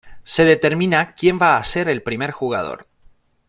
Se determina quien va a ser el primer jugador.